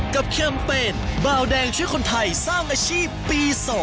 แคมเปญเบาแดงช่วยคนไทยสร้างอาชีพปี๒